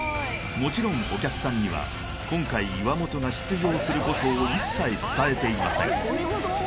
もちろんお客さんには今回岩本が出場することを一切伝えていません